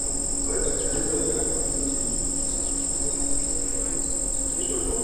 The Royal Academy did not accept woman as students.